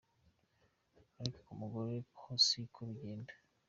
Ariko ku mugore ho siko bigenda.